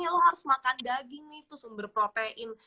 ya lo harus makan daging nih tuh sumber protein